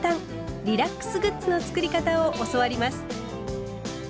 リラックスグッズの作り方を教わります。